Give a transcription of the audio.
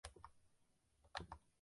天顺六年壬午科顺天乡试第一名。